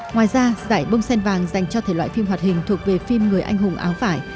ngoài ra giải bông sen vàng dành cho thể loại phim hoạt hình thuộc về phim người anh hùng áo phải